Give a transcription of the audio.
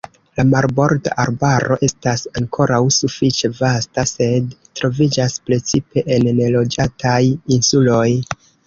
La marborda arbaro estas ankoraŭ sufiĉe vasta, sed troviĝas precipe en neloĝataj insuloj.